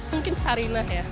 mungkin sarinah ya